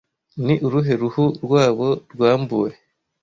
ni uruhe ruhu rwabo rwambuwe